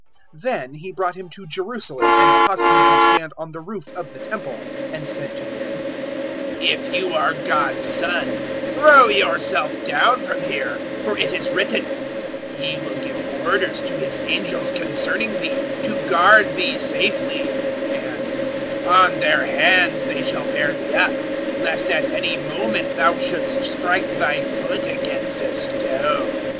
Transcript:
'" 004:009 Then he brought Him to Jerusalem and caused Him to stand on the roof of the Temple, and said to Him, "If you are God's Son, throw yourself down from here; for it is written, 004:010 `He will give orders to His angels concerning thee, to guard thee safely;' 004:011 and `On their hands they shall bear thee up, Lest at any moment thou shouldst strike thy foot against a stone.'"